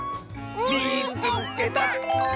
「みいつけた！」。